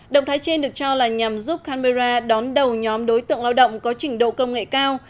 động thái trên được cho là nhằm giúp canberra đón đầu nhóm đối tượng lao động có trình độ công nghệ cao